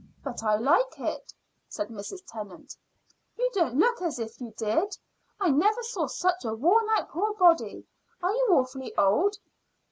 "But I like it," said Mrs. Tennant. "You don't look as if you did. I never saw such a worn out poor body. Are you awfully old?"